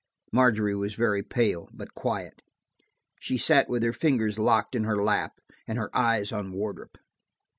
Margery was very pale, but quiet. She sat with her fingers locked in her lap, and her eyes on Wardrop.